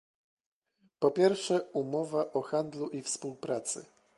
Po pierwsze, umowa o handlu i współpracy